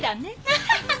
アハハッ！